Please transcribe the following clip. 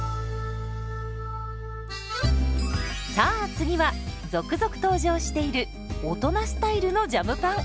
さあ次は続々登場している大人スタイルのジャムパン。